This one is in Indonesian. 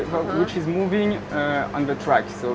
ya kamu pilih kamu tekan go saat kamu siap